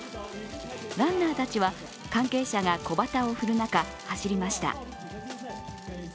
ランナーたちは関係者が小旗を振る中、走りました。